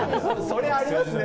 それありますね。